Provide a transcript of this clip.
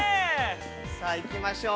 さあ、行きましょう。